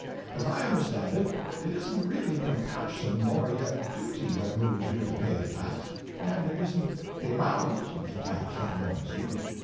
As I understand it, it isn't really compassion nor yet duty that moves you to pay the tax, and it isn't the amount of the tax that annoys you.